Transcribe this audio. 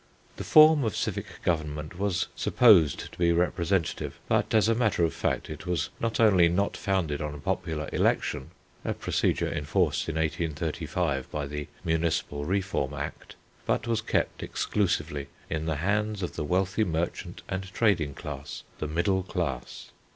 The form of civic government was supposed to be representative, but as a matter of fact it was not only not founded on popular election (a procedure enforced in 1835 by the Municipal Reform Act), but was kept exclusively in the hands of the wealthy merchant and trading class, the middle class.